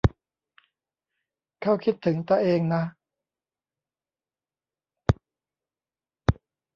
เค้าคิดถึงตะเองนะ